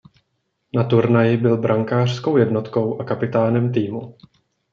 Na turnaji byl brankářskou jednotkou a kapitánem týmu.